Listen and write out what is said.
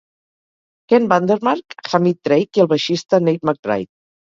Ken Vandermark, Hamid Drake i el baixista Nate McBride.